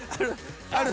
ある？